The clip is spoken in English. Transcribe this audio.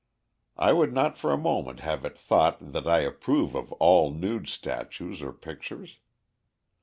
I would not for a moment have it thought that I approve of all nude statues or pictures.